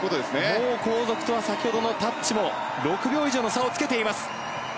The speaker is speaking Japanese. もう後続とは先ほどのタッチも６秒以上の差をつけています。